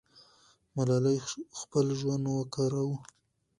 ملالۍ خپل ژوند ورکاوه.